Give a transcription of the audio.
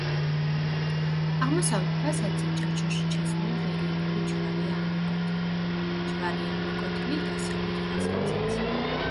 აღმოსავლეთ ფასადზე ჩარჩოში ჩასმული რელიეფური ჯვარია ამოკვეთილი, ჯვარია ამოკვეთილი დასავლეთ ფასადზეც.